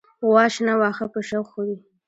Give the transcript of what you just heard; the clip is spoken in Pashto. غوا شنه واخه په شوق خوری